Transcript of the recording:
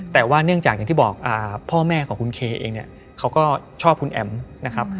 แต่ว่าเนื่องจากอย่างที่บอกพ่อแม่ของคุณเคเองเนี่ยเขาก็ชอบคุณแอ๋มนะครับ